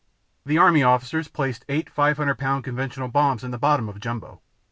The Army officers placed eight 500 pound conventional bombs in the bottom of Jumbo.